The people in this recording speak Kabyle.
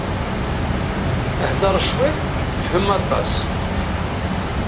Hder cwiṭ, fhem aṭas.